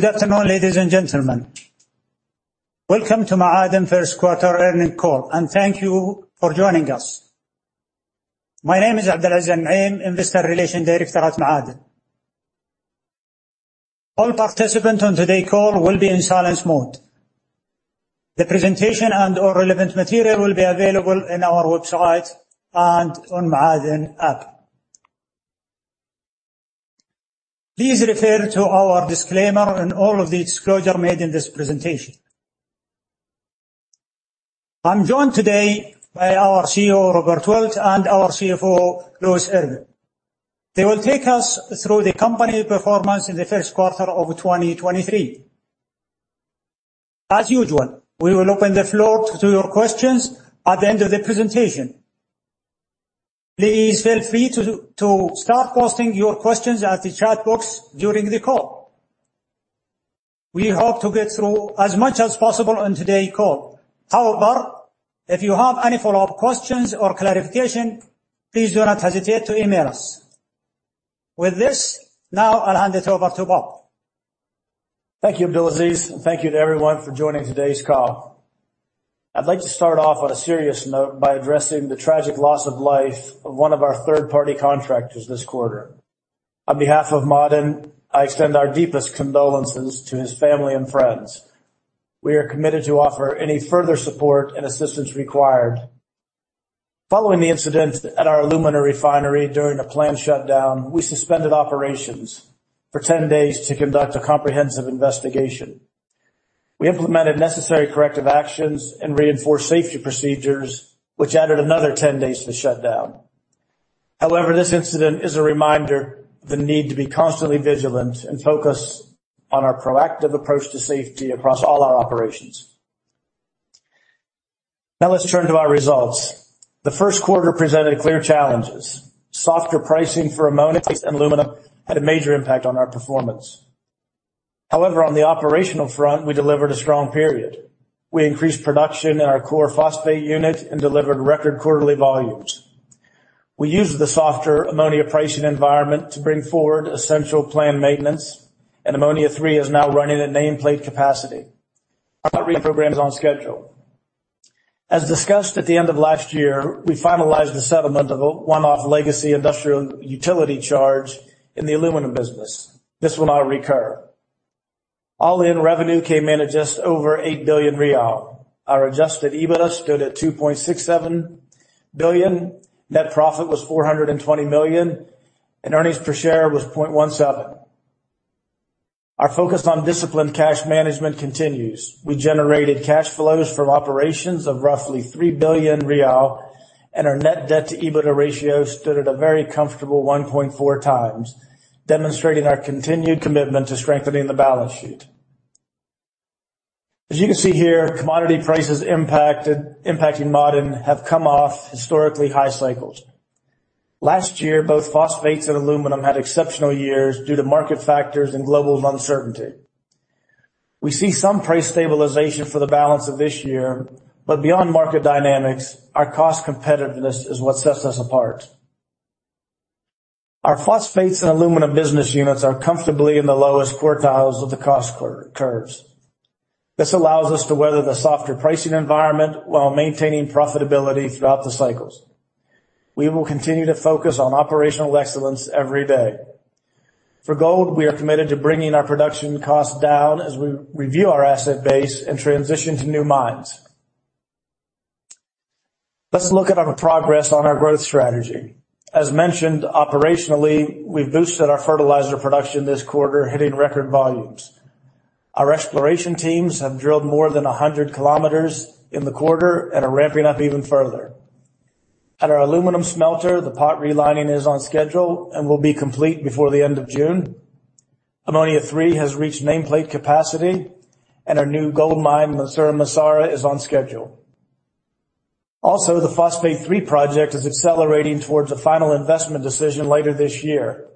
Good afternoon, ladies and gentlemen. Welcome to Ma'aden first quarter earnings call, and thank you for joining us. My name is Abdulaziz Alnaim, Investor Relations Director at Ma'aden. All participants on today's call will be in silence mode. The presentation and all relevant material will be available on our website and on Ma'aden app. Please refer to our disclaimer and all of the disclosure made in this presentation. I'm joined today by our CEO, Robert Wilt, and our CFO, Louis Irvine. They will take us through the company performance in the first quarter of 2023. As usual, we will open the floor to your questions at the end of the presentation. Please feel free to start posting your questions at the chat box during the call. We hope to get through as much as possible on today's call. However, if you have any follow-up questions or clarification, please do not hesitate to email us. With this, now I'll hand it over to Bob. Thank you, Abdulaziz, and thank you to everyone for joining today's call. I'd like to start off on a serious note by addressing the tragic loss of life of one of our third-party contractors this quarter. On behalf of Ma'aden, I extend our deepest condolences to his family and friends. We are committed to offer any further support and assistance required. Following the incident at our aluminum refinery during a planned shutdown, we suspended operations for 10 days to conduct a comprehensive investigation. We implemented necessary corrective actions and reinforced safety procedures, which added another 10 days to the shutdown. However, this incident is a reminder of the need to be constantly vigilant and focused on our proactive approach to safety across all our operations. Now let's turn to our results. The first quarter presented clear challenges. Softer pricing for ammonia and aluminum had a major impact on our performance. However, on the operational front, we delivered a strong period. We increased production in our core phosphate unit and delivered record quarterly volumes. We used the softer ammonia pricing environment to bring forward essential planned maintenance, and Ammonia-3 is now running at nameplate capacity. Our program is on schedule. As discussed at the end of last year, we finalized the settlement of a one-off legacy industrial utility charge in the aluminum business. This will not recur. All-in revenue came in at just over SAR 8 billion. Our Adjusted EBITDA stood at 2.67 billion. Net profit was 420 million, and earnings per share was 0.17. Our focus on disciplined cash management continues. We generated cash flows from operations of roughly 3 billion riyal, and our net debt to EBITDA ratio stood at a very comfortable 1.4x, demonstrating our continued commitment to strengthening the balance sheet. As you can see here, commodity prices impacting Ma'aden have come off historically high cycles. Last year, both phosphates and aluminum had exceptional years due to market factors and global uncertainty. We see some price stabilization for the balance of this year, but beyond market dynamics, our cost competitiveness is what sets us apart. Our phosphates and aluminum business units are comfortably in the lowest quartiles of the cost curves. This allows us to weather the softer pricing environment while maintaining profitability throughout the cycles. We will continue to focus on operational excellence every day. For gold, we are committed to bringing our production costs down as we review our asset base and transition to new mines. Let's look at our progress on our growth strategy. As mentioned, operationally, we've boosted our fertilizer production this quarter, hitting record volumes. Our exploration teams have drilled more than 100 km in the quarter and are ramping up even further. At our aluminum smelter, the pot relining is on schedule and will be complete before the end of June. Ammonia-3 has reached nameplate capacity and our new gold mine, Mansourah-Massarah, is on schedule. Also, the Phosphate 3 project is accelerating towards a final investment decision later this year.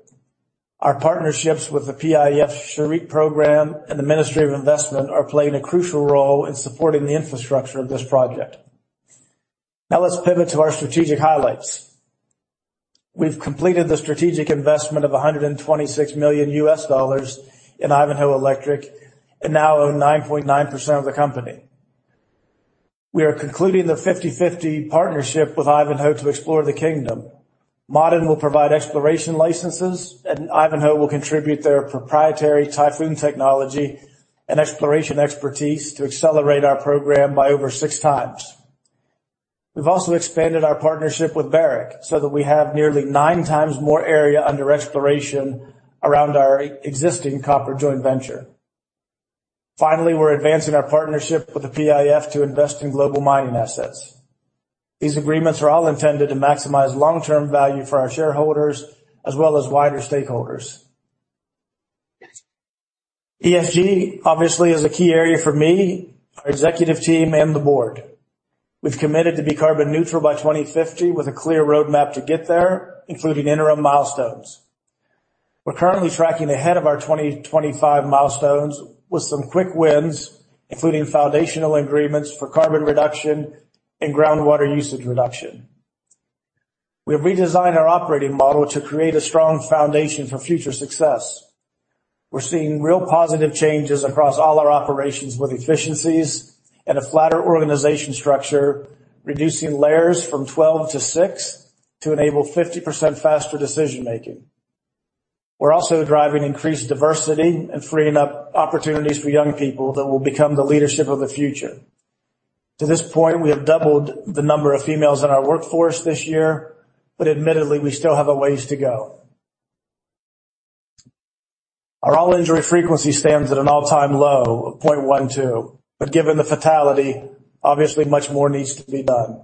Our partnerships with the PIF Shareek Program and the Ministry of Investment are playing a crucial role in supporting the infrastructure of this project. Now let's pivot to our strategic highlights. We've completed the strategic investment of $126 million in Ivanhoe Electric and now own 9.9% of the company. We are concluding the 50/50 partnership with Ivanhoe to explore the kingdom. Ma'aden will provide exploration licenses, and Ivanhoe will contribute their proprietary Typhoon technology and exploration expertise to accelerate our program by over 6x. We've also expanded our partnership with Barrick so that we have nearly 9x more area under exploration around our existing copper joint venture. Finally, we're advancing our partnership with the PIF to invest in global mining assets. These agreements are all intended to maximize long-term value for our shareholders as well as wider stakeholders. ESG obviously is a key area for me, our executive team, and the board. We've committed to be carbon neutral by 2050 with a clear roadmap to get there, including interim milestones. We're currently tracking ahead of our 2025 milestones with some quick wins, including foundational agreements for carbon reduction and groundwater usage reduction. We have redesigned our operating model to create a strong foundation for future success. We're seeing real positive changes across all our operations with efficiencies and a flatter organization structure, reducing layers from 12 to six to enable 50% faster decision-making. We're also driving increased diversity and freeing up opportunities for young people that will become the leadership of the future. To this point, we have doubled the number of females in our workforce this year, but admittedly, we still have a ways to go. Our all-injury frequency stands at an all-time low of 0.12, but given the fatality, obviously much more needs to be done.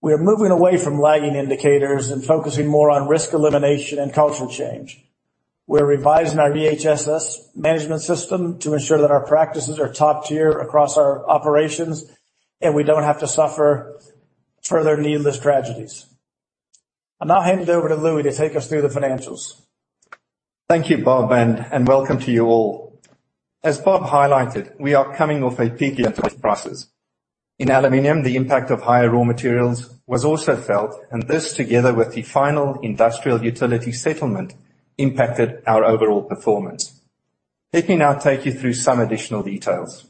We are moving away from lagging indicators and focusing more on risk elimination and cultural change. We're revising our HSMS management system to ensure that our practices are top-tier across our operations, and we don't have to suffer further needless tragedies. I'll now hand it over to Louis to take us through the financials. Thank you, Bob, and welcome to you all. As Bob highlighted, we are coming off a peak year for the prices. In aluminum, the impact of higher raw materials was also felt, and this together with the final industrial utility settlement, impacted our overall performance. Let me now take you through some additional details.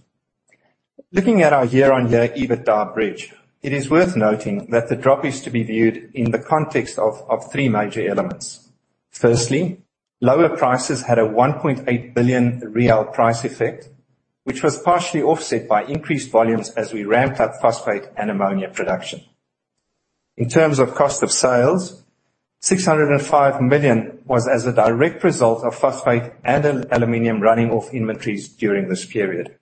Looking at our year-on-year EBITDA bridge, it is worth noting that the drop is to be viewed in the context of three major elements. Firstly, lower prices had a 1.8 billion real price effect, which was partially offset by increased volumes as we ramped up phosphate and ammonia production. In terms of cost of sales, 605 million was as a direct result of phosphate and aluminum running off inventories during this period.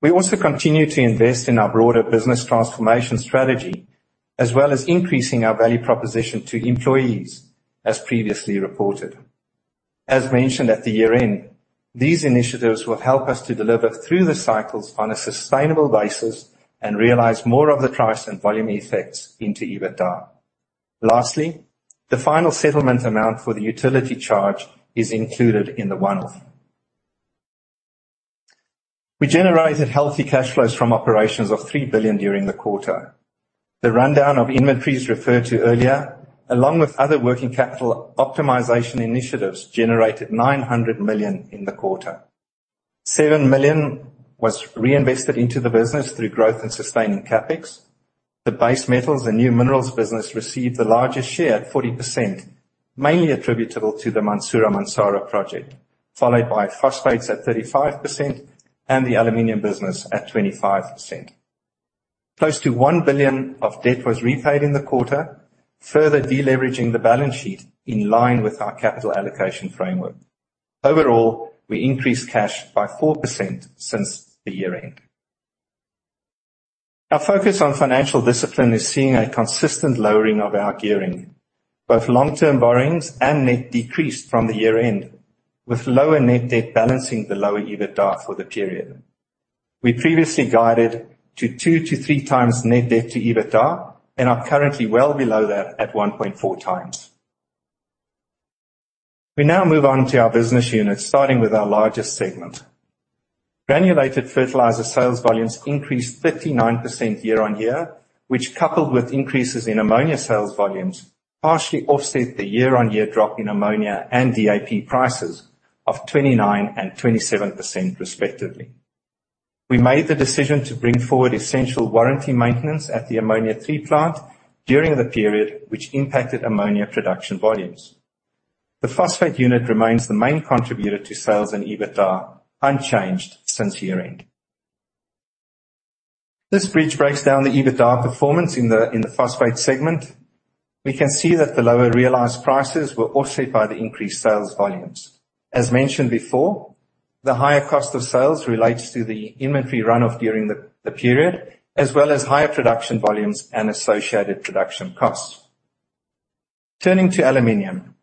We also continued to invest in our broader business transformation strategy, as well as increasing our value proposition to employees, as previously reported. As mentioned at the year-end, these initiatives will help us to deliver through the cycles on a sustainable basis and realize more of the price and volume effects into EBITDA. Lastly, the final settlement amount for the utility charge is included in the one-off. We generated healthy cash flows from operations of 3 billion during the quarter. The rundown of inventories referred to earlier, along with other working capital optimization initiatives, generated 900 million in the quarter. 7 million was reinvested into the business through growth and sustaining CapEx. The Base Metals and New Minerals business received the largest share, 40%, mainly attributable to the Mansourah-Massarah project, followed by phosphates at 35% and the aluminum business at 25%. Close to 1 billion of debt was repaid in the quarter, further de-leveraging the balance sheet in line with our capital allocation framework. Overall, we increased cash by 4% since the year-end. Our focus on financial discipline is seeing a consistent lowering of our gearing. Both long-term borrowings and net debt decreased from the year-end, with lower net debt balancing the lower EBITDA for the period. We previously guided to 2x-3x net debt to EBITDA and are currently well below that at 1.4x. We now move on to our business units, starting with our largest segment. Granulated fertilizer sales volumes increased 59% year-on-year, which, coupled with increases in ammonia sales volumes, partially offset the year-on-year drop in ammonia and DAP prices of 29% and 27% respectively. We made the decision to bring forward essential warranty maintenance at the Ammonia-3 plant during the period which impacted ammonia production volumes. The phosphate unit remains the main contributor to sales and EBITDA, unchanged since year-end. This bridge breaks down the EBITDA performance in the phosphate segment. We can see that the lower realized prices were offset by the increased sales volumes. As mentioned before, the higher cost of sales relates to the inventory run-off during the period, as well as higher production volumes and associated production costs. Turning to aluminum.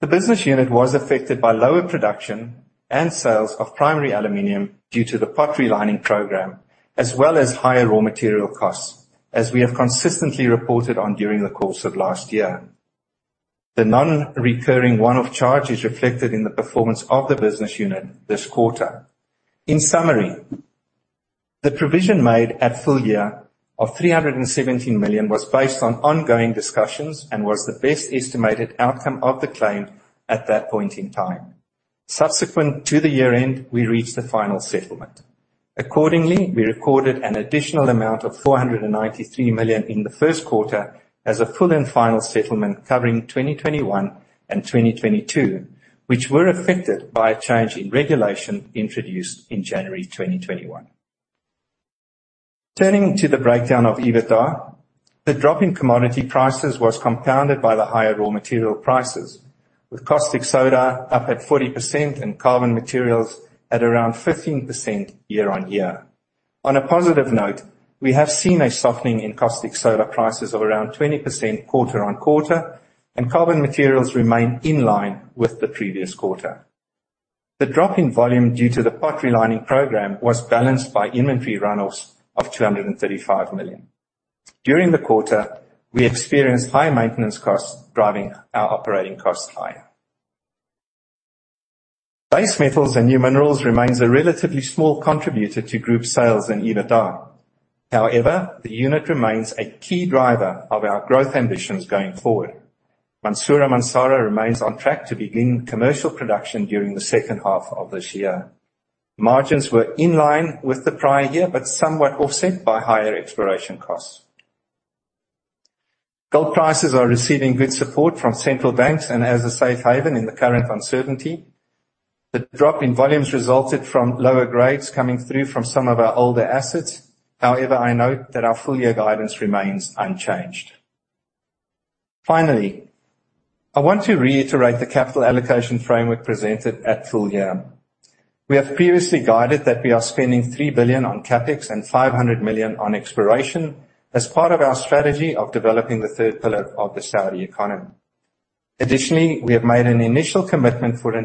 The business unit was affected by lower production and sales of primary aluminum due to the pot relining program, as well as higher raw material costs, as we have consistently reported on during the course of last year. The non-recurring one-off charge is reflected in the performance of the business unit this quarter. In summary, the provision made at full year of 317 million was based on ongoing discussions and was the best estimated outcome of the claim at that point in time. Subsequent to the year-end, we reached the final settlement. Accordingly, we recorded an additional amount of 493 million in the first quarter as a full and final settlement covering 2021 and 2022, which were affected by a change in regulation introduced in January 2021. Turning to the breakdown of EBITDA. The drop in commodity prices was compounded by the higher raw material prices, with caustic soda up at 40% and carbon materials at around 15% year-on-year. On a positive note, we have seen a softening in caustic soda prices of around 20% quarter-on-quarter, and carbon materials remain in line with the previous quarter. The drop in volume due to the pot relining program was balanced by inventory runoffs of 235 million. During the quarter, we experienced high maintenance costs driving our operating costs higher. Base Metals and New Minerals remains a relatively small contributor to group sales and EBITDA. However, the unit remains a key driver of our growth ambitions going forward. Mansourah-Massarah remains on track to begin commercial production during the second half of this year. Margins were in line with the prior year, but somewhat offset by higher exploration costs. Gold prices are receiving good support from central banks and as a safe haven in the current uncertainty. The drop in volumes resulted from lower grades coming through from some of our older assets. However, I note that our full year guidance remains unchanged. Finally, I want to reiterate the capital allocation framework presented at full year. We have previously guided that we are spending 3 billion on CapEx and 500 million on exploration as part of our strategy of developing the third pillar of the Saudi economy. Additionally, we have made an initial commitment for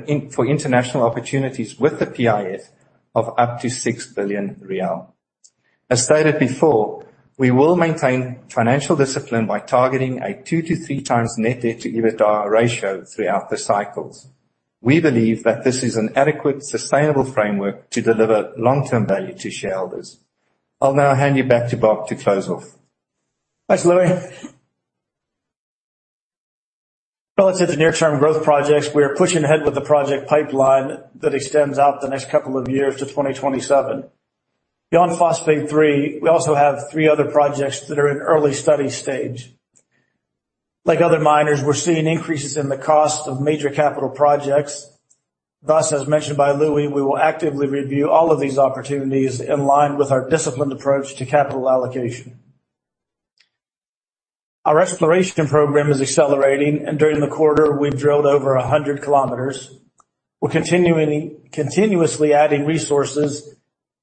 international opportunities with the PIF of up to 6 billion riyal. As stated before, we will maintain financial discipline by targeting a 2x-3x net debt to EBITDA ratio throughout the cycles. We believe that this is an adequate, sustainable framework to deliver long-term value to shareholders. I'll now hand you back to Bob to close off. Thanks, Louis. Relative to near-term growth projects, we are pushing ahead with the project pipeline that extends out the next couple of years to 2027. Beyond Phosphate 3, we also have three other projects that are in early study stage. Like other miners, we're seeing increases in the cost of major capital projects. Thus, as mentioned by Louis, we will actively review all of these opportunities in line with our disciplined approach to capital allocation. Our exploration program is accelerating, and during the quarter we've drilled over 100 km. We're continuously adding resources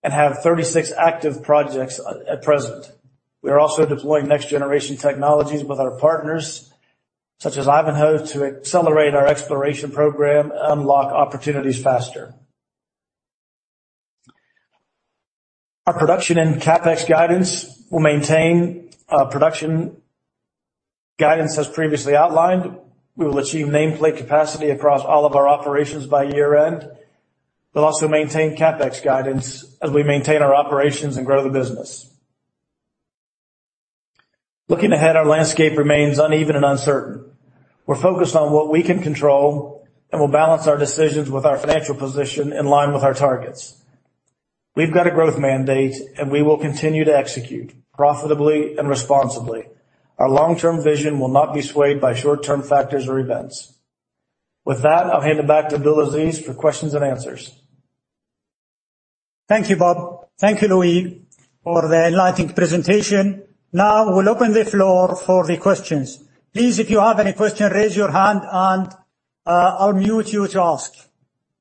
and have 36 active projects at present. We are also deploying next generation technologies with our partners such as Ivanhoe, to accelerate our exploration program and unlock opportunities faster. Our production and CapEx guidance will maintain production guidance as previously outlined. We will achieve nameplate capacity across all of our operations by year-end. We'll also maintain CapEx guidance as we maintain our operations and grow the business. Looking ahead, our landscape remains uneven and uncertain. We're focused on what we can control, and we'll balance our decisions with our financial position in line with our targets. We've got a growth mandate, and we will continue to execute profitably and responsibly. Our long-term vision will not be swayed by short-term factors or events. With that, I'll hand it back to Abdulaziz for questions and answers. Thank you, Bob. Thank you, Louis, for the enlightening presentation. Now we'll open the floor for the questions. Please, if you have any question, raise your hand and I'll unmute you to ask.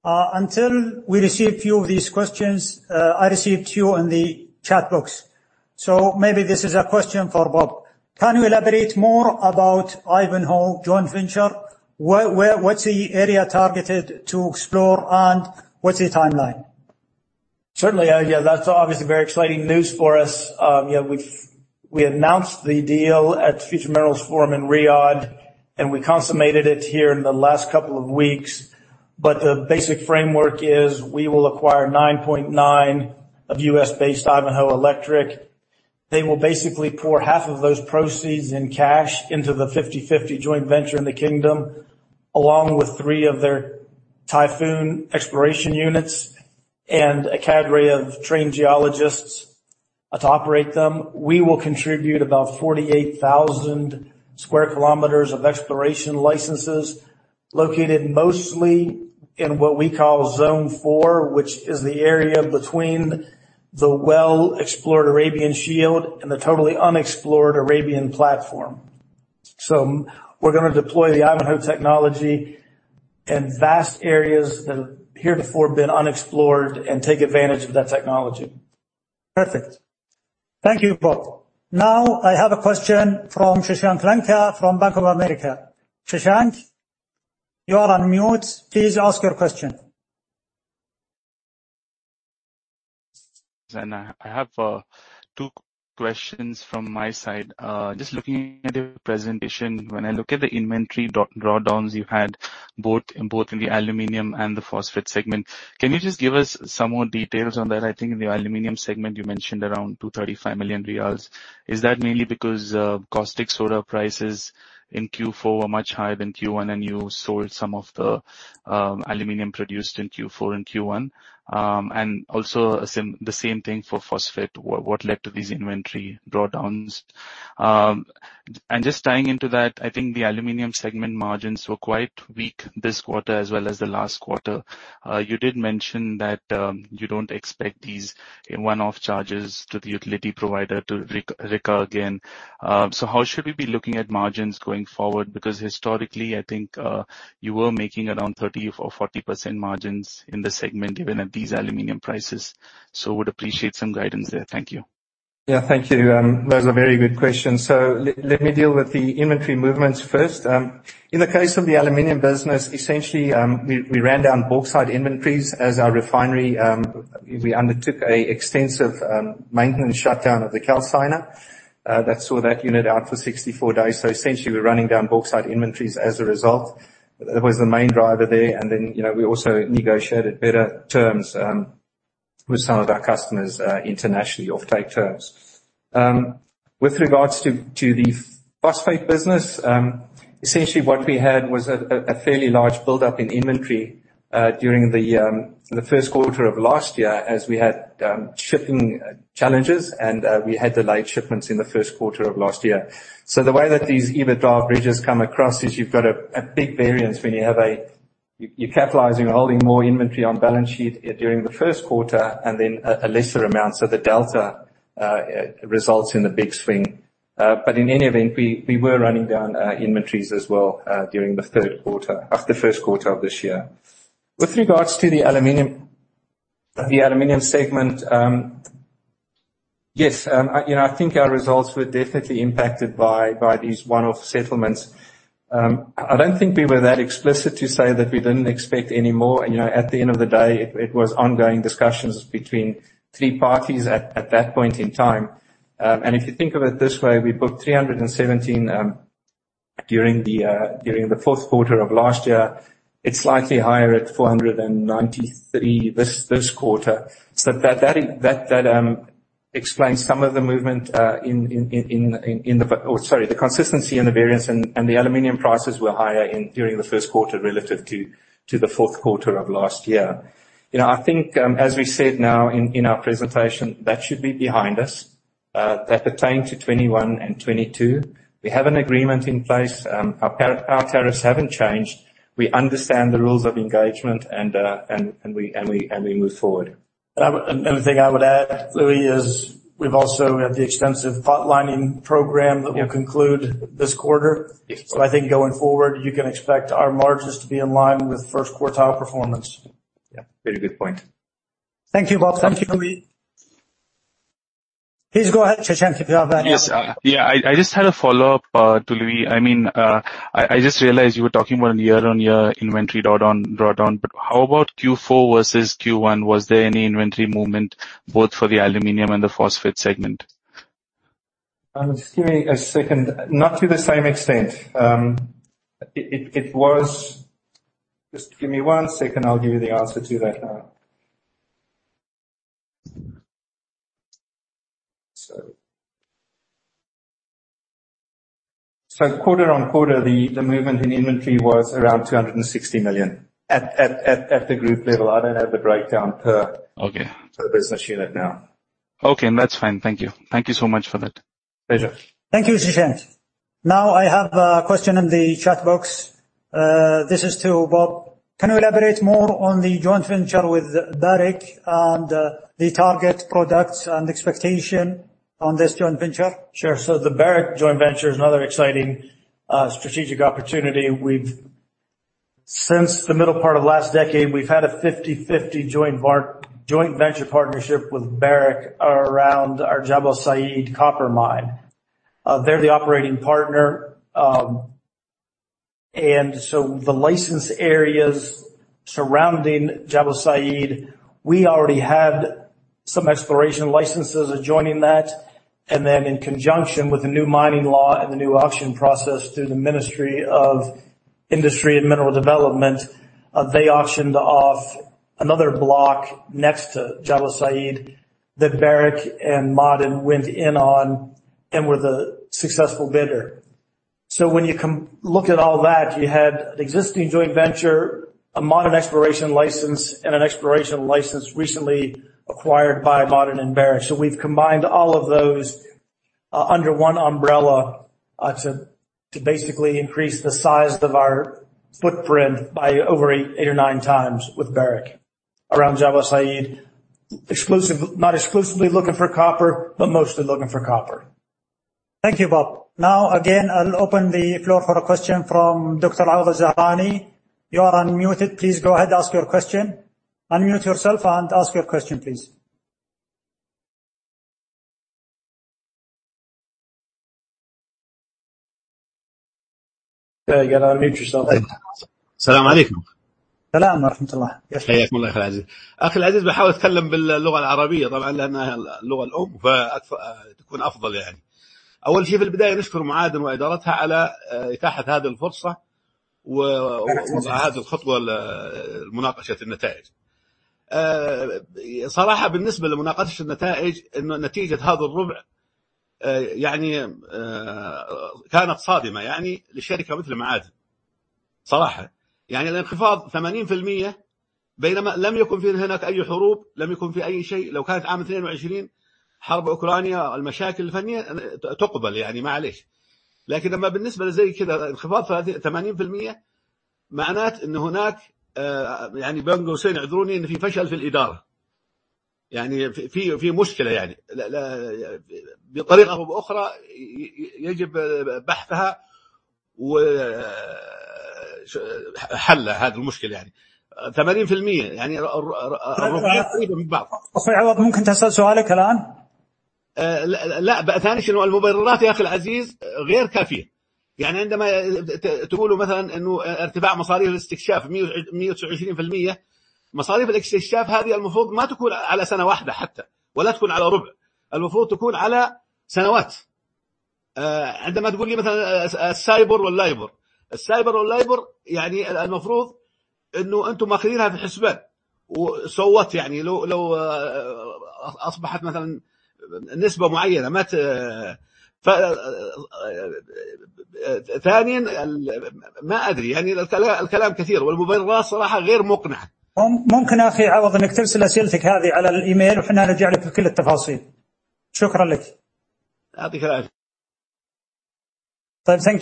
Until we receive few of these questions, I received two in the chat box, so maybe this is a question for Bob. Can you elaborate more about Ivanhoe Electric joint venture? Where, what's the area targeted to explore, and what's the timeline? Certainly. Yeah, that's obviously very exciting news for us. You know, we've announced the deal at the Future Minerals Forum in Riyadh and we consummated it here in the last couple of weeks. The basic framework is we will acquire 9.9% of U.S.-based Ivanhoe Electric. They will basically pour half of those proceeds in cash into the 50/50 joint venture in the kingdom, along with three of their Typhoon exploration units and a cadre of trained geologists to operate them. We will contribute about 48,000 square kilometers of exploration licenses located mostly in what we call Zone Four, which is the area between the well-explored Arabian Shield and the totally unexplored Arabian Platform. We're gonna deploy the Ivanhoe technology in vast areas that have heretofore been unexplored and take advantage of that technology. Perfect. Thank you both. Now I have a question from Sashank Lanka from Bank of America. Shashank, you are unmuted. Please ask your question. I have two questions from my side. Just looking at the presentation. When I look at the inventory drawdowns you had both in the aluminum and the phosphate segment, can you just give us some more details on that? I think in the aluminum segment you mentioned around 235 million riyals. Is that mainly because caustic soda prices in Q4 were much higher than Q1, and you sold some of the aluminum produced in Q4 and Q1? Also the same thing for phosphate. What led to these inventory drawdowns? And just tying into that, I think the aluminum segment margins were quite weak this quarter as well as the last quarter. You did mention that you don't expect these one-off charges to the utility provider to reoccur again. How should we be looking at margins going forward? Because historically, I think, you were making around 30% or 40% margins in this segment, even at these aluminum prices. Would appreciate some guidance there. Thank you. Yeah, thank you. Those are very good questions. Let me deal with the inventory movements first. In the case of the aluminum business, essentially, we ran down bauxite inventories as our refinery, we undertook an extensive maintenance shutdown of the calciner that saw that unit out for 64 days. Essentially, we're running down bauxite inventories as a result. That was the main driver there. Then, you know, we also negotiated better terms with some of our customers internationally off-take terms. With regards to the phosphate business, essentially what we had was a fairly large buildup in inventory during the first quarter of last year as we had shipping challenges and we had delayed shipments in the first quarter of last year. The way that these EBITDA bridges come across is you've got a big variance when you're capitalizing, holding more inventory on balance sheet during the first quarter and then a lesser amount. The delta results in the big swing. In any event, we were running down inventories as well during the third quarter and the first quarter of this year. With regards to the Aluminum segment, yes, you know, I think our results were definitely impacted by these one-off settlements. I don't think we were that explicit to say that we didn't expect any more. You know, at the end of the day, it was ongoing discussions between three parties at that point in time. If you think of it this way, we booked 317 during the fourth quarter of last year. It's slightly higher at 493 this quarter. That explains some of the movement, the consistency and the variance, and the aluminum prices were higher during the first quarter relative to the fourth quarter of last year. You know, I think, as we said now in our presentation, that should be behind us. That pertained to 2021 and 2022. We have an agreement in place. Our tariffs haven't changed. We understand the rules of engagement and we move forward. Another thing I would add, Louis, is we've also had the extensive pot relining program that will conclude this quarter. Yes. I think going forward, you can expect our margins to be in line with first quartile performance. Yeah. Very good point. Thank you, Robert. Thank you, Louis. Please go ahead, Shashank, if you have any. Yes. I just had a follow-up to Louis. I mean, I just realized you were talking about year-over-year inventory draw down. But how about Q4 versus Q1? Was there any inventory movement both for the aluminum and the phosphate segment? Just give me a second. Not to the same extent. Just give me one second, I'll give you the answer to that now. Quarter-on-quarter, the movement in inventory was around 260 million at the group level. I don't have the breakdown per. Okay. Per business unit now. Okay, that's fine. Thank you. Thank you so much for that. Pleasure. Thank you, Sashank. Now I have a question in the chat box. This is to Bob. Can you elaborate more on the joint venture with Barrick and the target products and expectation on this joint venture? Sure. The Barrick joint venture is another exciting strategic opportunity. Since the middle part of last decade, we've had a 50/50 joint venture partnership with Barrick around our Jabal Sayid copper mine. They're the operating partner. The license areas surrounding Jabal Sayid, we already had some exploration licenses adjoining that. In conjunction with the new mining law and the new auction process through the Ministry of Industry and Mineral Resources, they auctioned off another block next to Jabal Sayid that Barrick and Ma'aden went in on and were the successful bidder. When you look at all that, you had an existing joint venture, a Ma'aden exploration license, and an exploration license recently acquired by Ma'aden and Barrick. We've combined all of those under one umbrella to basically increase the size of our footprint by over 8x or 9x with Barrick around Jabal Sayid. Not exclusively looking for copper, but mostly looking for copper. Thank you, Bob. Now, again, I'll open the floor for a question from Dr. Awad Al-Zahrani. You are unmuted. Please go ahead, ask your question. Unmute yourself and ask your question, please. Yeah, you gotta unmute yourself. When you say cyber and labor, I mean, it is supposed that you are selling it in the accounts and it votes. I mean, if it becomes, for example, a certain percentage. Secondly, I don't know. I mean, the talk is a lot, and the explanation, frankly, is not convincing. Brother Awad, you can send your question on email, and we will respond to you with all the details. Thank you. You are welcome. Thank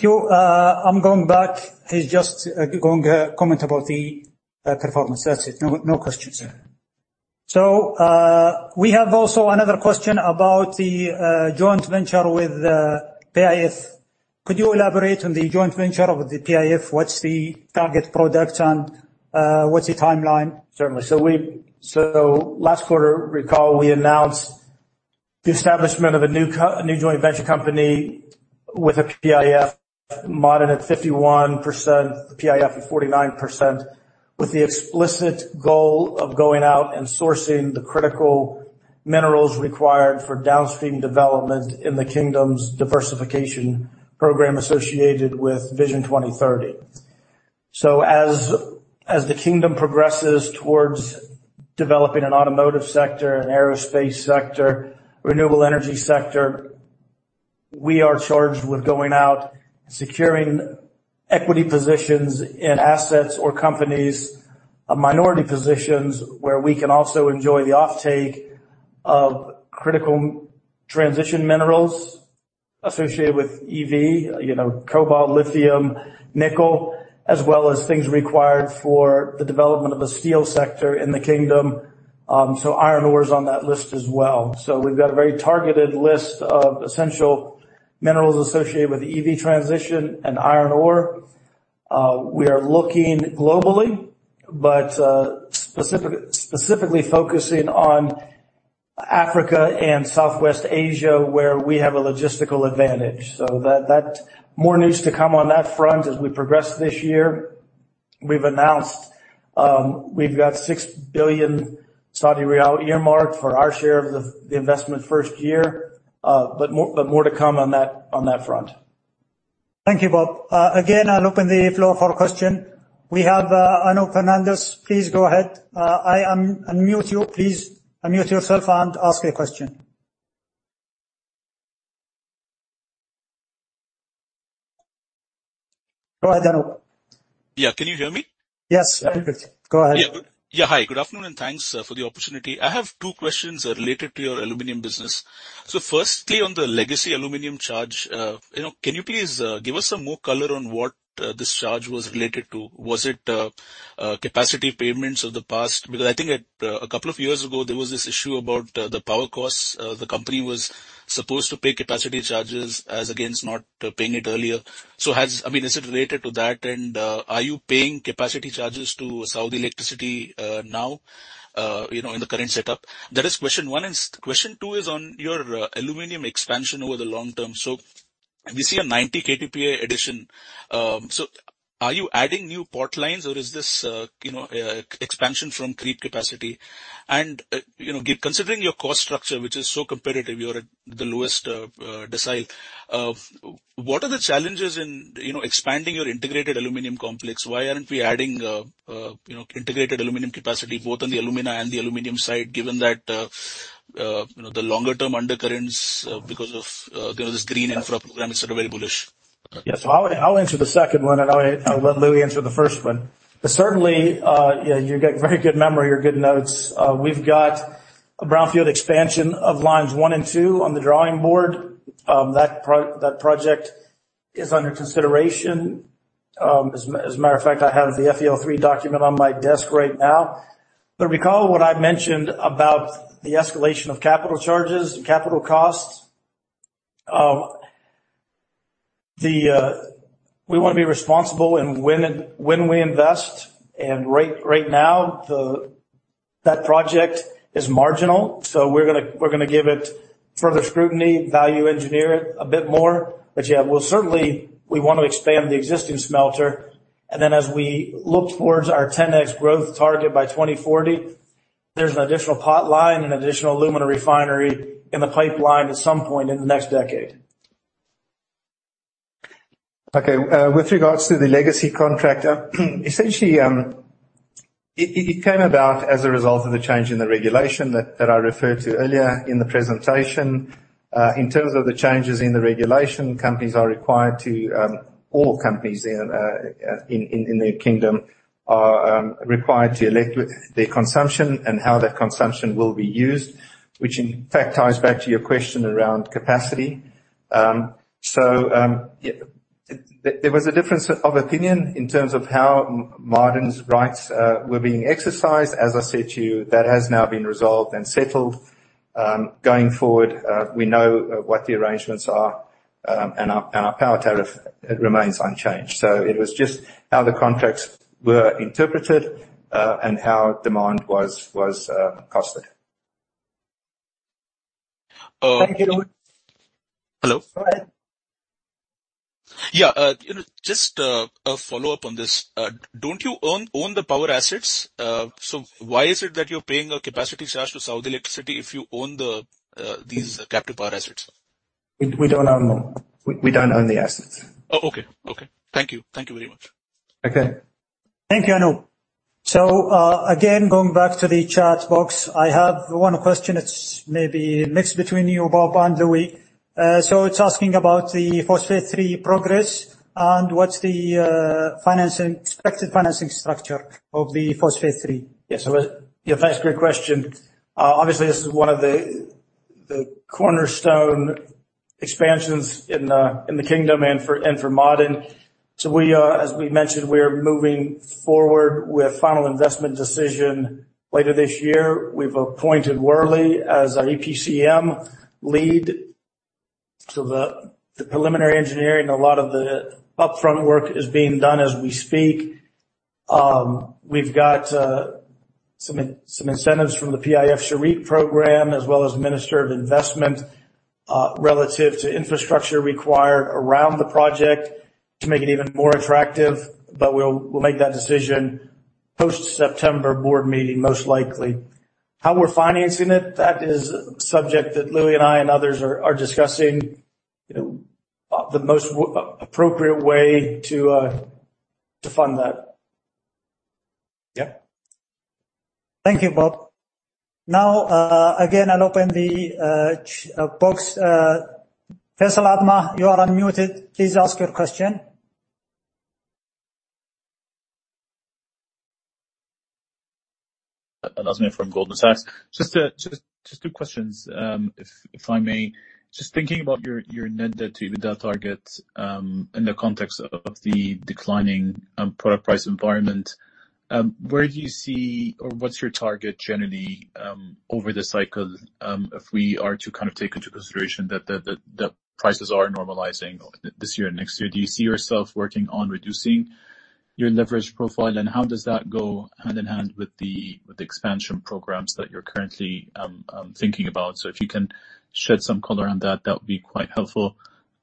you. I'm going back. He's just going to comment about the performance. That's it. No questions. We have also another question about the joint venture with PIF. Could you elaborate on the joint venture with the PIF? What's the target product and what's the timeline? Certainly. Last quarter, recall, we announced the establishment of a new joint venture company with a PIF, Ma'aden at 51%, the PIF at 49%, with the explicit goal of going out and sourcing the critical minerals required for downstream development in the Kingdom's diversification program associated with Vision 2030. As the Kingdom progresses towards developing an automotive sector, an aerospace sector, renewable energy sector, we are charged with going out, securing equity positions in assets or companies of minority positions where we can also enjoy the offtake of critical transition minerals associated with EV, you know, cobalt, lithium, nickel, as well as things required for the development of a steel sector in the Kingdom. Iron ore is on that list as well. We've got a very targeted list of essential minerals associated with EV transition and iron ore. We are looking globally, but specifically focusing on Africa and Southwest Asia, where we have a logistical advantage. More news to come on that front as we progress this year. We've announced we've got 6 billion Saudi riyal earmarked for our share of the investment first year. More to come on that front. Thank you, Bob. Again, I'll open the floor for question. We have Anoop Fernandes. Please go ahead. Unmute you. Please unmute yourself and ask your question. Go ahead, Anoop. Yeah. Can you hear me? Yes, very good. Go ahead. Hi, good afternoon, and thanks for the opportunity. I have two questions related to your aluminum business. Firstly, on the legacy aluminum charge, you know, can you please give us some more color on what this charge was related to? Was it capacity payments of the past? Because I think at a couple of years ago, there was this issue about the power costs. The company was supposed to pay capacity charges as against not paying it earlier. I mean, is it related to that? And are you paying capacity charges to Saudi Electricity now, you know, in the current setup? That is question one, and question two is on your aluminum expansion over the long term. We see a 90 KTPA addition. Are you adding new pot lines, or is this, you know, expansion from creep capacity? Considering your cost structure, which is so competitive, you're at the lowest decile, what are the challenges in, you know, expanding your integrated aluminum complex? Why aren't we adding, you know, integrated aluminum capacity both on the alumina and the aluminum side, given that, you know, the longer term undercurrents because of, you know, this green infra program is sort of very bullish? I'll answer the second one, and I'll let Louis answer the first one. Certainly, yeah, you've got very good memory or good notes. We've got a brownfield expansion of lines one and two on the drawing board. That project is under consideration. As a matter of fact, I have the FEL-3 document on my desk right now. Recall what I mentioned about the escalation of capital charges and capital costs. We wanna be responsible in when we invest. Right now, that project is marginal. We're gonna give it further scrutiny, value engineer it a bit more. Yeah, we'll certainly, we want to expand the existing smelter. As we look toward our 10x growth target by 2040, there's an additional pot line and additional alumina refinery in the pipeline at some point in the next decade. Okay. With regards to the legacy contract, essentially, it came about as a result of the change in the regulation that I referred to earlier in the presentation. In terms of the changes in the regulation, companies are required to, all companies in the Kingdom are required to elect their consumption and how that consumption will be used, which in fact ties back to your question around capacity. There was a difference of opinion in terms of how Ma'aden's rights were being exercised. As I said to you, that has now been resolved and settled. Going forward, we know what the arrangements are, and our power tariff remains unchanged. It was just how the contracts were interpreted, and how demand was costed. Thank you. Hello? Go ahead. Yeah, you know, just a follow-up on this. Don't you own the power assets? Why is it that you're paying a capacity charge to Saudi Electricity if you own these captive power assets? We don't own them. We don't own the assets. Oh, okay. Thank you. Thank you very much. Okay. Thank you, Anoop. Again, going back to the chat box, I have one question that's maybe mixed between you, Robert and Louis. It's asking about the Phosphate 3 progress and what's the expected financing structure of the Phosphate 3. That's a great question. Obviously, this is one of the cornerstone expansions in the kingdom and for Ma'aden. As we mentioned, we're moving forward with final investment decision later this year. We've appointed Worley as our EPCM lead. The preliminary engineering, a lot of the upfront work is being done as we speak. We've got some incentives from the PIF Shareek program, as well as Minister of Investment, relative to infrastructure required around the project to make it even more attractive. We'll make that decision post September board meeting, most likely. How we're financing it, that is a subject that Louis and I and others are discussing, you know, the most appropriate way to fund that. Yeah. Thank you, Bob. Now, again, I'll open the box. Faisal AlAzmeh, you are unmuted. Please ask your question. Anas Aljefri from Goldman Sachs. Just two questions, if I may. Just thinking about your net debt to EBITDA target, in the context of the declining product price environment, where do you see or what's your target generally over the cycle, if we are to kind of take into consideration that the prices are normalizing this year and next year? Do you see yourself working on reducing your leverage profile, and how does that go hand-in-hand with the expansion programs that you're currently thinking about? If you can shed some color on that would be quite helpful.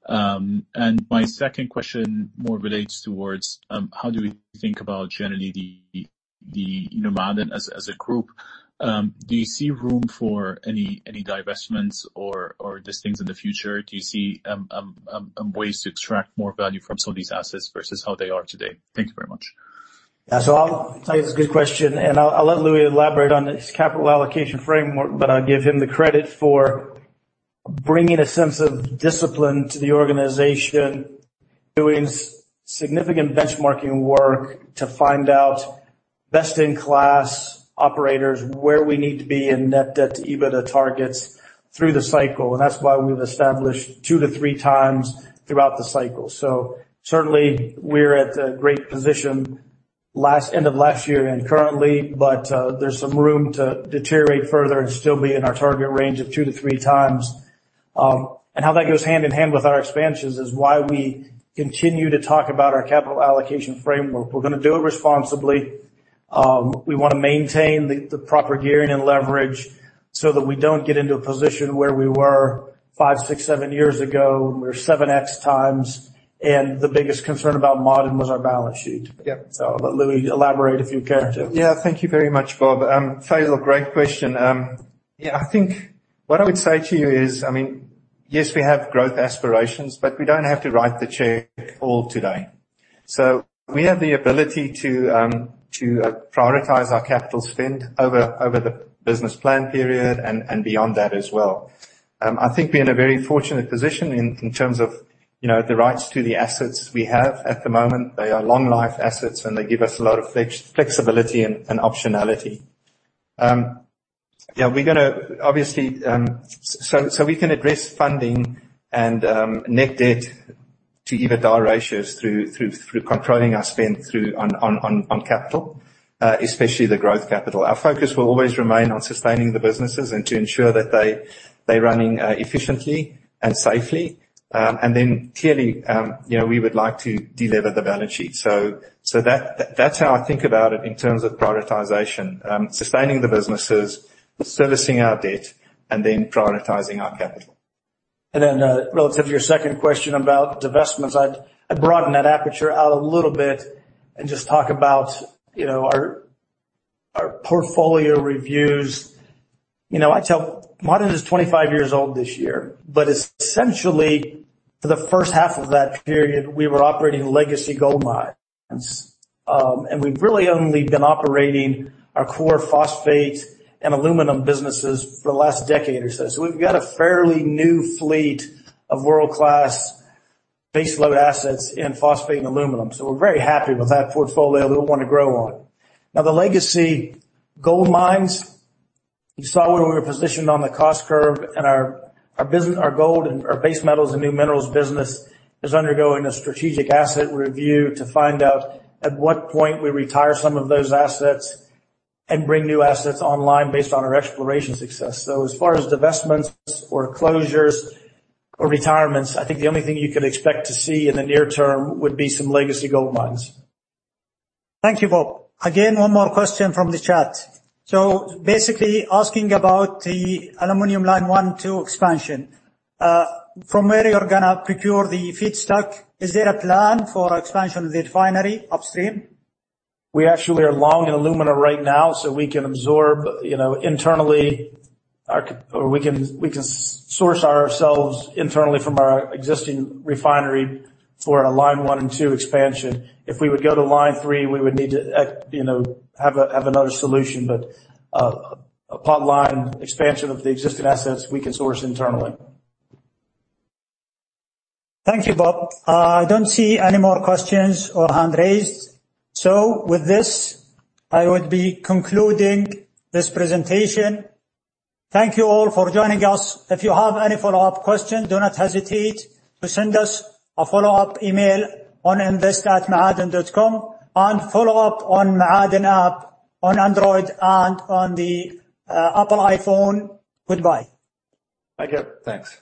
My second question more relates towards how do we think about generally the you know Ma'aden as a group. Do you see room for any divestments or these things in the future? Do you see ways to extract more value from some of these assets versus how they are today? Thank you very much. Yeah. I'll tell you, it's a good question, and I'll let Louis elaborate on his capital allocation framework, but I'll give him the credit for bringing a sense of discipline to the organization, doing significant benchmarking work to find out best-in-class operators where we need to be in net debt to EBITDA targets through the cycle. That's why we've established 2x-3x throughout the cycle. Certainly we're at a great position end of last year and currently, but there's some room to deteriorate further and still be in our target range of 2x-3x. How that goes hand-in-hand with our expansions is why we continue to talk about our capital allocation framework. We're gonna do it responsibly. We wanna maintain the proper gearing and leverage so that we don't get into a position where we were five, six, seven years ago. We were 7x, and the biggest concern about Ma'aden was our balance sheet. Yeah. Louis, elaborate if you care to. Yeah. Thank you very much, Bob. Faisal, great question. Yeah, I think what I would say to you is, I mean, yes, we have growth aspirations, but we don't have to write the check all today. We have the ability to prioritize our capital spend over the business plan period and beyond that as well. I think we're in a very fortunate position in terms of, you know, the rights to the assets we have at the moment. They are long life assets, and they give us a lot of flexibility and optionality. Yeah, we're gonna obviously. We can address funding and net debt to EBITDA ratios through controlling our spend on capital, especially the growth capital. Our focus will always remain on sustaining the businesses and to ensure that they're running efficiently and safely. Clearly, you know, we would like to delever the balance sheet. That's how I think about it in terms of prioritization. Sustaining the businesses, servicing our debt, and then prioritizing our capital. Relative to your second question about divestments, I'd broaden that aperture out a little bit and just talk about, you know, our portfolio reviews. You know, I'd tell Ma'aden is 25 years old this year, but essentially for the first half of that period, we were operating legacy gold mines. And we've really only been operating our core phosphate and aluminum businesses for the last decade or so. We've got a fairly new fleet of world-class baseload assets in phosphate and aluminum. We're very happy with that portfolio that we wanna grow on. The legacy gold mines, you saw where we were positioned on the cost curve and our gold and our Base Metals and New Minerals business is undergoing a strategic asset review to find out at what point we retire some of those assets and bring new assets online based on our exploration success. As far as divestments or closures or retirements, I think the only thing you could expect to see in the near term would be some legacy gold mines. Thank you, Bob. Again, one more question from the chat. Basically asking about the Aluminum Line one, two expansion. From where you're gonna procure the feedstock, is there a plan for expansion of the refinery upstream? We actually are long in alumina right now, so we can absorb, you know, internally or we can source ourselves internally from our existing refinery for a line one and two expansion. If we would go to line three, we would need to, you know, have another solution. Apart from line expansion of the existing assets, we can source internally. Thank you, Bob. I don't see any more questions or hand raised. With this, I would be concluding this presentation. Thank you all for joining us. If you have any follow-up questions, do not hesitate to send us a follow-up email on invest@maaden.com.sa and follow up on Ma'aden app on Android and on the Apple iPhone. Goodbye. Thank you. Thanks.